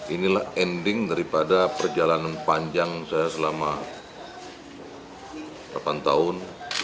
inilah ending daripada perjalanan panjang saya selama delapan tahun